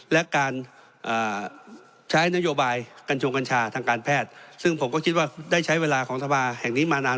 และการใช้นโยบายกัญชงกัญชาทางการแพทย์ซึ่งผมก็คิดว่าได้ใช้เวลาของสภาแห่งนี้มานาน